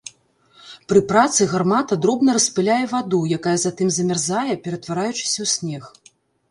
Пры працы гармата дробна распыляе ваду, якая затым замярзае, ператвараючыся ў снег.